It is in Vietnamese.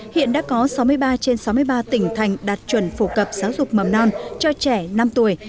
hiện đã có sáu mươi ba trên sáu mươi ba tỉnh thành đạt chuẩn phổ cập giáo dục mầm non cho trẻ năm tuổi